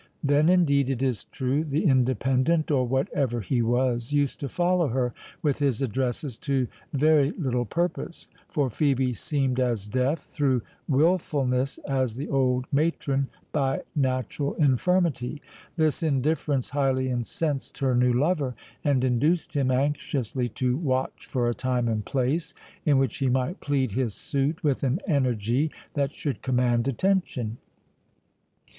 Then, indeed, it is true the Independent, or whatever he was, used to follow her with his addresses to very little purpose; for Phœbe seemed as deaf, through wilfulness, as the old matron by natural infirmity. This indifference highly incensed her new lover, and induced him anxiously to watch for a time and place, in which he might plead his suit with an energy that should command attention.